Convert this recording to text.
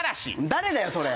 誰だよそれ。